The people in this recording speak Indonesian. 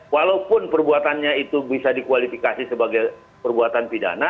walaupun perbuatannya itu bisa dikualifikasi sebagai perbuatan pidana